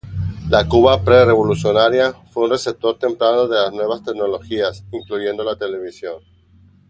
La Cuba pre-revolucionaria fue un receptor temprano de las nuevas tecnologías, incluyendo la televisión.